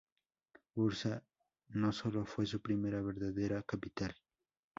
Bursa no solo fue su primera verdadera capital.